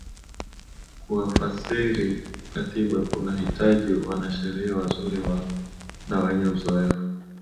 kuafasiri katiba kunahitaji wanasheria wazuri na wenye uzoefu